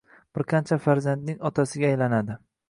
Bir qancha farzandning otasiga aylanadi.